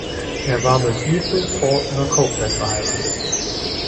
Er war mit Ethel Faulkner Copeland verheiratet.